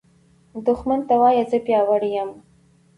دښمن ته وایه “زه پیاوړی یم”